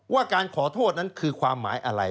ว่าการขอโทษนั้นคือความหมายอะไร